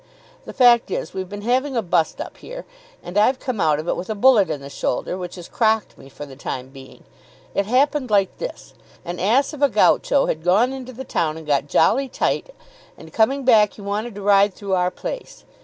The fact is we've been having a bust up here, and I've come out of it with a bullet in the shoulder, which has crocked me for the time being. It happened like this. An ass of a Gaucho had gone into the town and got jolly tight, and coming back, he wanted to ride through our place.